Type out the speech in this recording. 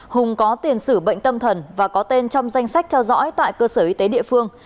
hùng có tiền sử bệnh tâm thần và có tên trong danh sách theo dõi tại cơ sở y tế địa phương